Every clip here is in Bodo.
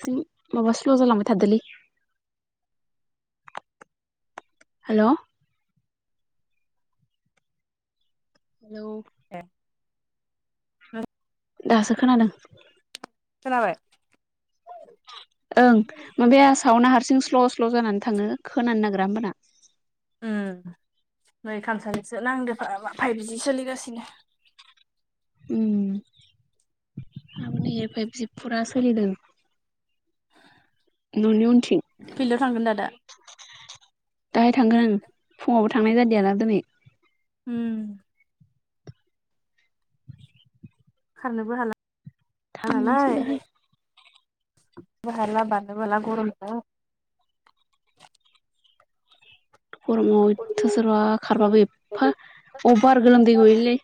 एसे माबा स्ल जालांबाय थादोलै हेलौ हेलौ ए [unintelligible] दासो खोनादों खोनाबाय ओं माबाया सावना हारसिं स्ल स्ल जानानै थाङो खोनानो नागि [unintelligible] उम नै खामसालिखिसो नांदो फाइभजि सोलिगासिनो उम [unintelligible] फाइभजि फुरा सोलिदों न'नि उनथिं फिल्डआव थांगोनदा दा दाहाय थांगोन आं फुङावबो थांनाय जादिया ना दिनै उम खारनोबो हाला थांनोसैहाय खारनोबो हाला बारनोबो हाला गरमनो गरमावथ सोरबा खारबाबो उम एफा अभार गोलोमदै गयोलै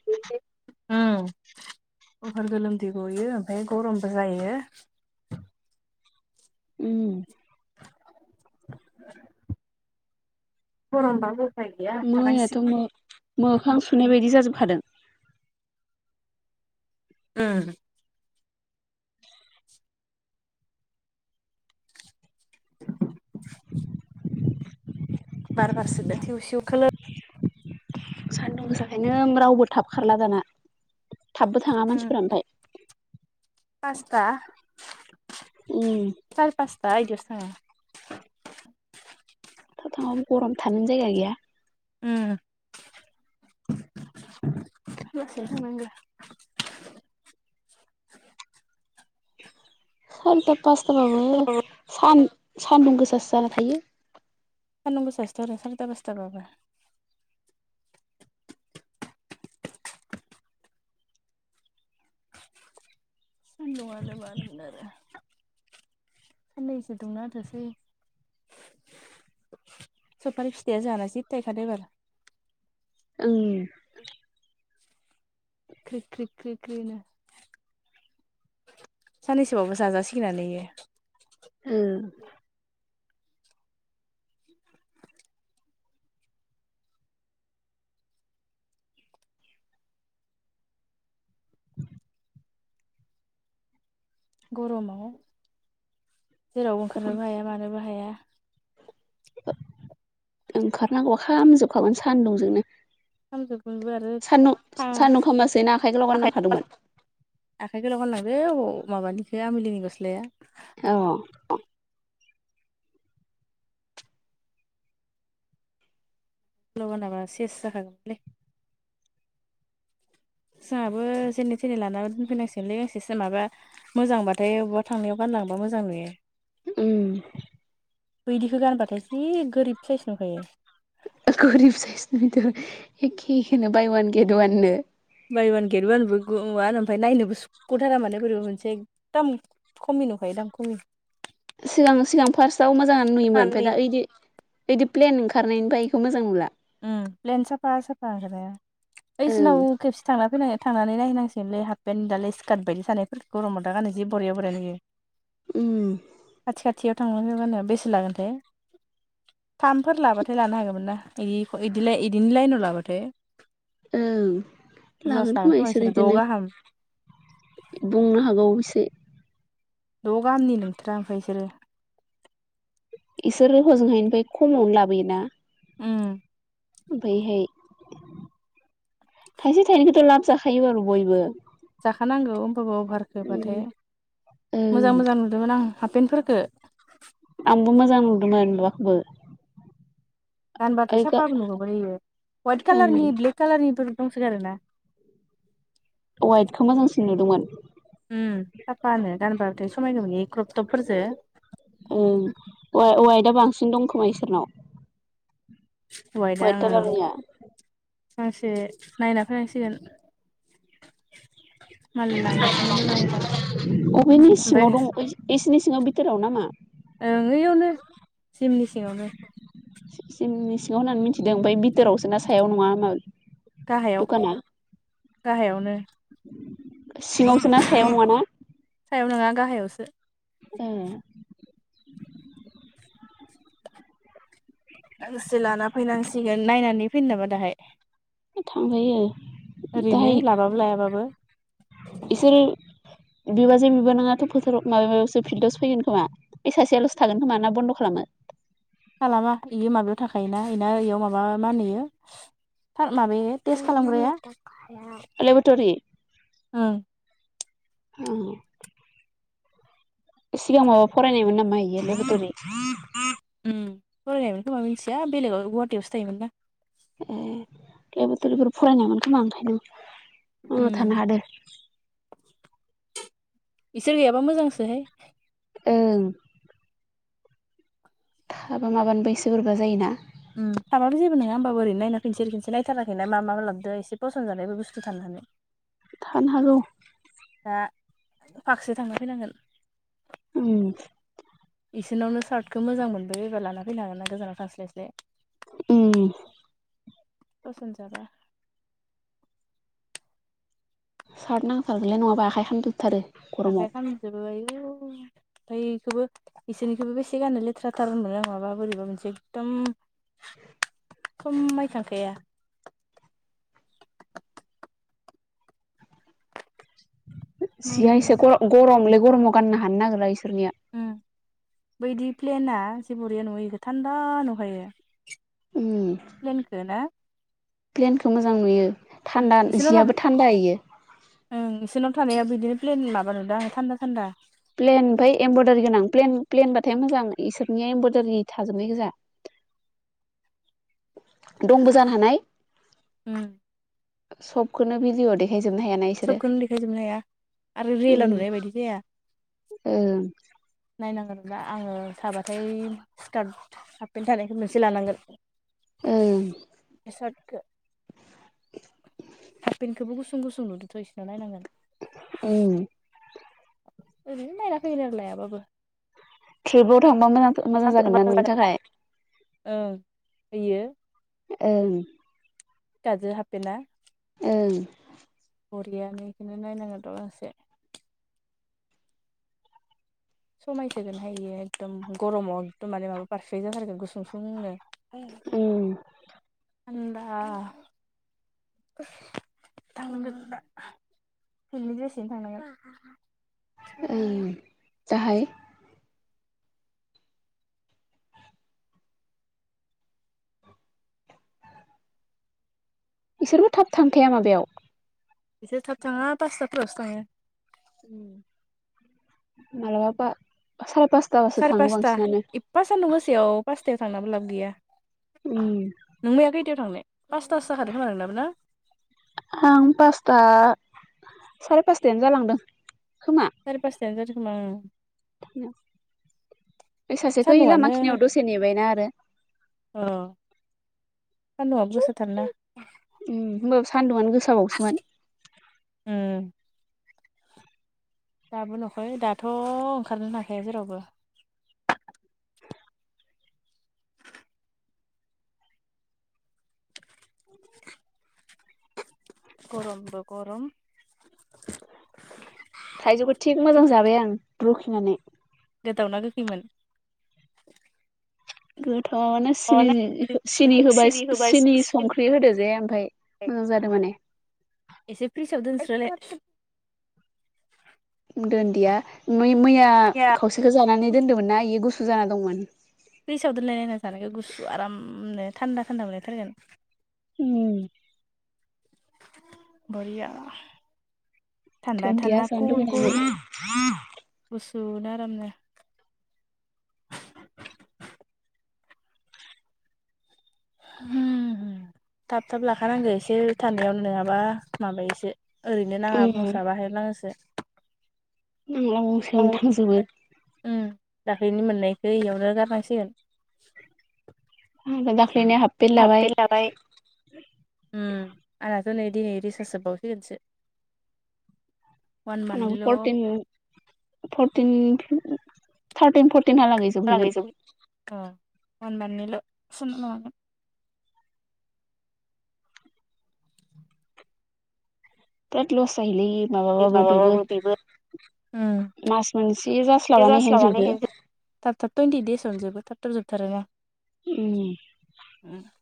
[inaudible] अभार गोलोमदै गयो ओमफ्राय गरमबो जायो उम गरमबाबो उफाय गैया मैयाथ थानांसिगोन मो मोखां सुनाय बायदि जाजोबखादों उम [inaudible] बार बारसोदों सिउ सिउ खोलो सान्दुं गोसाखायनो रावबो थाब खारला दाना थाबबो थाङा मानसिफोरा ओमफ्राय पास्ता उम [unintelligible] थाब थांङाबो गरम थानो नो जायगा गैया उम बेलासियाव थांनांगो सारिता पासताबाबो सान सान्दुं गोसासो जाना थायो सान्दुं गोसासोथ आरो सारिथा पासथा बाबो सान्दुंआनो मा होननो आरो साननैसो दुंनाहोथोसै सपारि फिथाइया जाना जि थाइखादो एबार ओं क्रि क्रि क्रिनो साननैसोबावबा जाजासिगोनानो इयो ओ गरमाव जेरावबो ओंखारनोबो हाया मानोबो हाया ओंखारनांगौबा खामजोबखागोन सान्दुंजोंनो सानजौफुनिबो आरो सानदु सानदुं खामासै ना आखाय गोलाव आखाइ गानलां खादोंमोन आखाइ गोलाव गानलांदो अबाव माबानिखौ आमिलिनि गस्लाया औ लबानाबा सेस जाखागौमोनलै जोंहाबो जेनै थेने लाना दोनफैनांसिगोनलै गांसे सो माबा मोजांबाथाय अबा थांनायाव गान लांबा मोजां नुयो ओम बैदिखौ गानबाथाय जि गोरिब साइस नुखायो गरिब साइस नुयोथ आरो' एखे एखेनो बाय अवान गेट वाननो बाय अवान गेट अवान बो गुम माहोनो ओमफ्राय नायनोबो सुख'थारा माने बोरैबा मोनसे एकदम खम खमि नुखायो दाम खमि सिगां सिगां फार्स्टआव मोजाङानो नुयोमोन खमि ओमफ्राय दा ओयदि ओदि प्लेन ओंखारनायनिफ्राय इखौ मोजां मोनला ओ प्लेन साफा साफा ओंखारो ओं ओइसिनाव खेबसे थांना फैनानै थांनानै नाय होननांसिगोनलोय हाफपेन्ट दालाय सिखार्ट बायदि सानायफोरखौ दा गरमाव गाननो जि बरिया बरिया नुयो उम खाथि खाथियाव थांलांनायाव गानो बेसे लागोनथाय थामफोर लाबाथाय लानो हागौमोन ना इदि इदिनो लाइनाव लाबाथाय ओं बुरजासो लागोन खोमा इसोर बिसोरो द' इदिनो गाहाम बुंनो हागौ एसे द' गामनि नोंथोरा ओमफ्राय बिसोरो बिसोर हजोंहायनिफ्राय खमावनो लाबोयोना ओम ओमफ्रायहाय थाइसे थाइनैखौथ' लाब जाखायो आरो बयबो औ होनोमबाबो अभारखौबाथाय ओं मोजां मोजां नुदोंमोन आं हाफेनटफोरखो बो मोजां नुदोंमोन माबाखौबो गानबाथाय ओइ साफाबो नुगोन यैओ हाइट कालारनि ब्लेक कालारनिबो दंसोगारो ना वाइटखौ मोजांसिन नुदोंमोन उम साफानो गानबाथाय समायगौमोन‌ इयो ओं हवायथा बांसिन दंखोमा इसोरनाव हवादा वाइट ओं कालारनिया गांसे नायना फैनांसिगोन। मालाय लांगासिनो मोजां मोजां [unintelligible] अबेनि ओमफ्राय सिङाव दं एसोरनि सिङाव बिथोराव नामा? ओं ओयावनो जिमनि सिङावनो। जिमनि सिङाव होननानै मिथिदों ओमफ्राय बिथोरावसो ना सायाव नङा होमा गाहायाव गाहायावनो सिगावसो ना सायाव नङा ना? सायाव नङा गाहायावसो ए गांसे लाना फैनांसिगोन। नायनानै फैनो नामा दाहाय थांजायो ओरैनो दाहाय। लाबाबो लायाबाबो इसोरो बिबाजै बिबबोनाङाथ' फोथाराव माबायावसो फिल्डआवो फैगोन खोमा बै सासेयालसो थागोन खोमा ना बन्द' खालामो खालामा बेयो माबायाव थाखायोना बेना बेयाव माबा माहोनो थार माबायो टेस्ट खालामग्राया ओं लेबटरि उम सिगां माबा फरायनायमोन नामा इयो लेबेटरि उम फरायनायमोन खोमा। मिथिया बेलेगाव गुवाहाटटियावसो थायोमोन ना ए लेबेटरिफोर फरायनायमोन खोमा ओंखायनो। अ उम थानो हादो बिसोर गैयाबा मोजांसोहाय ओं थाबा माबानोबो एसे बोरैबा जायोना उम थाबो जेबो नङा होमबाब ओैरैनो नायना फैनोसै ओरैनो खनसेर नायथाराखैना मा मा लाबोदो एसे पसन जानाय बे बस्थु थानो [inaudible] थानो हागौ दा फाखोसे थांना फैनांगोन। उम बिसोरावनो सार्टखौ मोजां मोनबोबायबा लाना फैनो हागोन ना गोजानाव थास्लायस्लाय उम फसन जाबा सार्ट नांथारगोनलाय नङाबा आखाइ खामजोबथारो गरमाव आखाइ खालामजोबो आयु ओमफ्रायखौबो बिसोरनिखौबो बेसे गाननो लेथ्राथार मोन आं माबा बोरैबा मोनसेै एकदम समायखांखाया सिया नायनांगोन एसे दा गरमलै गरमाव गाननो हानो नागिरला इसोरनिया उम बैदि प्लेना जे बरिया नुयोख थान्दा नुखायो उम प्लेनखो ना प्लेनखौ मोजां नुयो उम थान्दा इसोरनाव लाब जियाबो थान्दा इयो थानायाव बिदिनो प्लेन माबा नुदों आं थान्दा थान्दा। प्लेन ओमफ्राय एमब्रयदारि गोनां प्लेन प्लेनबाथाय मोजां इसोरनिया एमब्रयदारि थाजोबनाय गोजा। [inaudible] दंबो जानो हानाय। उम सबखौनो भिदिअ' दे सबखौनो देखायजोबनो हाया आरो उम रियेलाव नुनाय बायदि जाया ओं नायनांगोनब्ला आङो थाबाथाय स्कार्ट हार्पेन्ट थानायखौ मोनसे लानांगोन ओं सादखो हापेनखौबो गुसुं गुसुं नुदोथ' इसिनाव नायनांगोन उम ओरैनो नायना फैगोन आरो लायाबाबो ट्रिपाव थांबा मोजां मोजां जागोन ना नोंनि थाखाय ओं इयो ओं [unintelligible] हाफेना ओं बरियानो बेखौनो नायनांगोन द' गांसे समायसोगोन हायो एकदम गरमाव एकदम माने माबा पारफेक्ट जाथारगोन गुसुं सुंनो ओं थान्दा थांनांगोना इनि द्रेसजोंनो थांनांगोन उम जाहाय बिसोरबो थाब थांखाया माबायाव बिसोर थाब थाङा पासथाफोरावसो थाङो उम मालाबा सार सारि पासता इफा सान्दुं गोसेयाव पास खथायाव थांनाबो लाब गैया उम नों मैया खैथायाव थांनो पासतासो जाखादों खोमा नोंनाबो ना आं पासता साराय पासतायानो जालांदों सारि फासजतायानो जादोंखोमा ओं [unintelligible] बै सासेखौ लामा सान्दुंआनो खिनियाव दसे नेबायना आरो सानदुंआबो गोसाथार ना होनोमबाबो सान्दुंआनो गोसाबावसोमोन उम दाबो नुवाखै दाथ' ओंखारनो हाखाया जेरावबो [inaudible] गरमबो गरम थाइजौखौ थिग मोजां जाबाय आं रुखिनानै गोदैना गोखैमोन गोथाआनो अ सिनि सिनि होबाय सिनि संख्रि होदो जे ओमफ्राय मोजां जादों माने एसे फ्रिसाव दोनस्रालाय दोनदिया मैया खावसेखौ जानानै दोन्दोंमोनना बेयो गुसु जाना दंमोन फ्रिजाव दोनलायलनायना जानो गुसु आरामनो थान्दा थान्दा मोनलायथारगोन उ बरिया थान्दा दोन्दिया थान्दा जानो कुल कुल लुुबैनानै सुना आरामनो थाब थाब लाखानांगो एसे थानायाव नङाबा माबायोसो ओरैनो नाङा बुंस्रा बाहायलाङोसो न' गंसेयावनो थांजोबो उम दाख्लैनि मोननायखौ इयावनो गारनांसिगोन [unintelligible] पेट लाबाय हाबफैलाबाय दिनै दिनै रिसार्ज सोबावनांसिगोनसो [unintelligible] फर्टिन थार्टिन फर्टिनहालागै जोबहैगोन [unintelligible] बिराद लस जायोलै माबाबाबो बेबो माबाबो बिबो ओ मास मोनसे बे जास्लाबानो हेन जोबो। जास्लाबनानैहाय थाब थाब टुइन्टि एइड देस आवनो जोबो थाब थब जोबथारोना ओ।